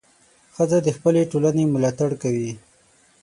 ښځه د خپلې ټولنې ملاتړ کوي.